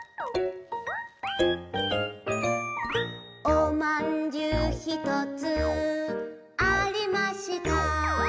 「おまんじゅうひとつありました」